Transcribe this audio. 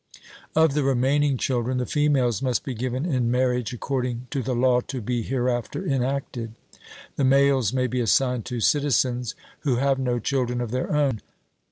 Of the remaining children, the females must be given in marriage according to the law to be hereafter enacted; the males may be assigned to citizens who have no children of their own.